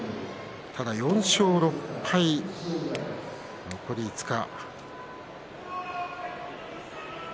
４勝６敗、残り５日。